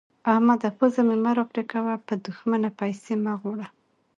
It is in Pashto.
احمده! پزه مې مه راپرې کوه؛ به دوښمنه پيسې مه غواړه.